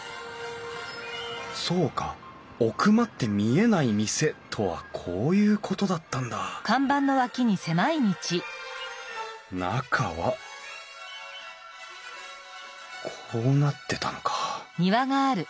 そうか「奥まって見えない店」とはこういうことだったんだ中はこうなってたのか。